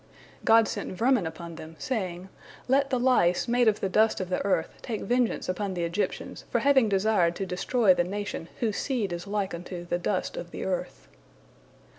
God sent vermin upon them, saying, "Let the lice made of the dust of the earth take vengeance upon the Egyptians for having desired to destroy the nation whose seed is like unto the dust of the earth."